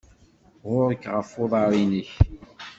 Ɣur-k ɣef uḍar-inek.